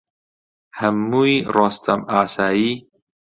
هەمووی ڕۆستەم ئاسایی